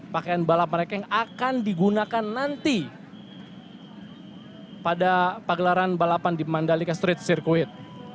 pakaian balap mereka yang akan digunakan nanti pada pagelaran balapan di mandalika street circuit